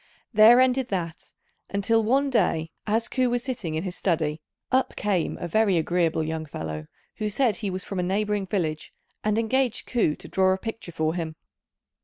There ended that; until one day, as Ku was sitting in his study, up came a very agreeable young fellow, who said he was from a neighbouring village, and engaged Ku to draw a picture for him.